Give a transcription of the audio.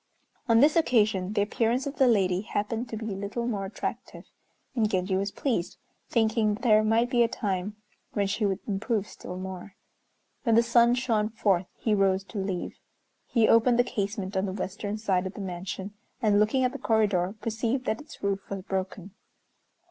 On this occasion the appearance of the lady happened to be a little more attractive, and Genji was pleased, thinking there might be a time when she would improve still more. When the sun shone forth he rose to leave. He opened the casement on the western side of the mansion, and, looking at the corridor, perceived that its roof was broken.